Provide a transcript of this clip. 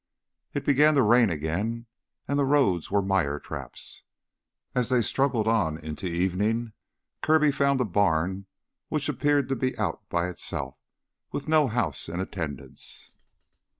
It began to rain again, and the roads were mire traps. As they struggled on into evening Kirby found a barn which appeared to be out by itself with no house in attendance.